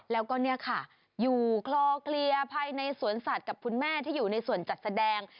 แล้วก็เนี่ยค่ะอยู่คลอเคลียร์ภายในสวนสัตว์กับคุณแม่ที่อยู่ในส่วนจัดแสดง